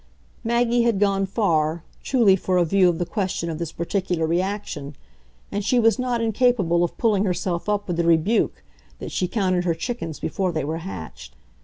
Maggie had gone far, truly for a view of the question of this particular reaction, and she was not incapable of pulling herself up with the rebuke that she counted her chickens before they were hatched.